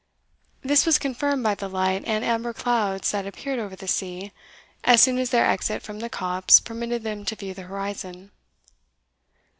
This was confirmed by the light and amber clouds that appeared over the sea, as soon as their exit from the copse permitted them to view the horizon.